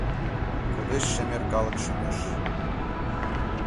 Кодеш шемер калык шӱмеш!